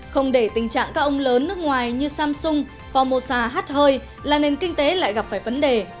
không để tình trạng các ông lớn nước ngoài như samsung formosa hát hơi là nền kinh tế lại gặp phải vấn đề